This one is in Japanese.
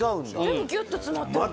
でもギュっと詰まってる感じ。